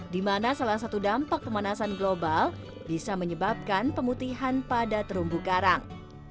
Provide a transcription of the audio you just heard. di mana salah satu dampak pemanasan global bisa menyebabkan pemutihan pada terumbu karang